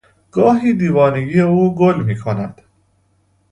گاهی دیوانگی او گل میکند.